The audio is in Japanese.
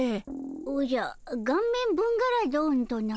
おじゃガンメンブンガラドンとな？